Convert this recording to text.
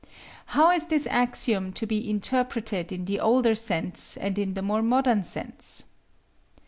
How is this axiom to be interpreted in the older sense and in the more modern sense?